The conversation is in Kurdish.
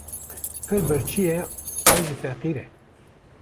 Pir birçî ye an jî feqîr e.